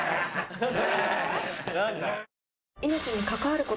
何だ。